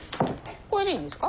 これでいいんですか？